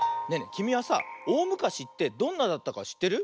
きみはさおおむかしってどんなだったかしってる？